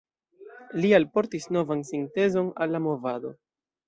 Li alportis novan sintezon al la movado.